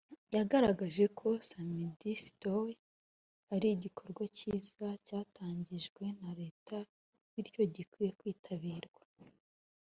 yagaragaje ko Samedi Citoyen ari igikorwa cyiza cyatangijwe na leta bityo gikwiye kwitabirwa